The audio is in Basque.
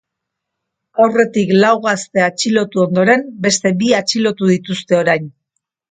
Aurretik lau gazte atxilotu ondoren, beste bi atxilotu dituzte orain.